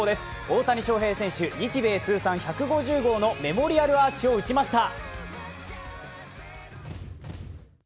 大谷翔平選手、日米通算１５０号のメモリアルアーチを打ちました。